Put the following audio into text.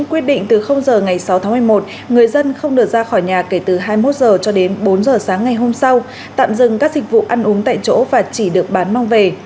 quyết định từ h ngày sáu tháng một mươi một người dân không được ra khỏi nhà kể từ hai mươi một h cho đến bốn h sáng ngày hôm sau tạm dừng các dịch vụ ăn uống tại chỗ và chỉ được bán mang về